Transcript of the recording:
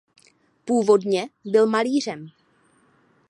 Původně byl malířem.